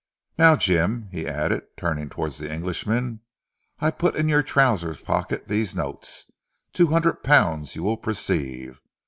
Now, Jim," he added, turning towards the Englishman, "I put in your trousers pocket these notes, two hundred pounds, you will perceive.